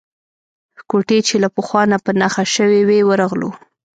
کوټې چې له پخوا نه په نښه شوې وې ورغلو.